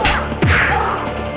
senang bugel weh